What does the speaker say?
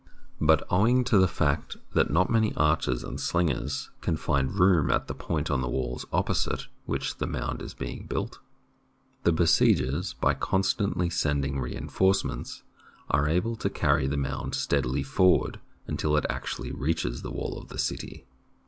But owing to the fact that not many archers and slingers can find room at the point on the walls opposite which the mound is being built, the be siegers, by constantly sending reinforcements, are able to carry the mound steadily forward until it actually reaches the wall of the city.